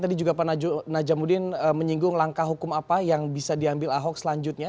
tadi juga pak najamuddin menyinggung langkah hukum apa yang bisa diambil ahok selanjutnya